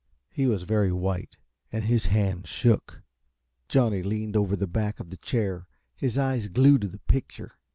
He was very white, and his hand shook. Johnny leaned over the back of the chair, his eyes glued to the picture.